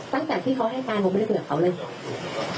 ใช่ครับตั้งแต่ที่เขาให้การผมไม่ได้เกือบเขาเลย